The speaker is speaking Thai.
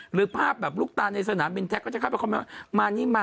หรือภาพแบบลูกตาในสนามบินแท็กก็จะเข้าไปคอมเมนต์มานี่มา